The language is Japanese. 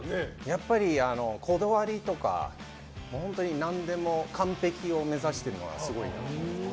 やっぱり、こだわりとか何でも完璧を目指しているのがすごいなと思いますね。